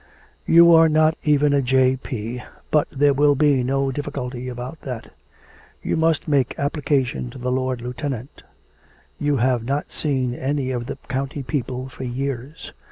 'You are not even a J. P., but there will be no difficulty about that; you must make application to the Lord Lieutenant.... You have not seen any of the county people for years.